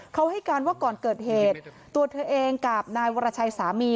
เขาให้การว่าก่อนเกิดเหตุตัวเธอเองกับนายวรชัยสามี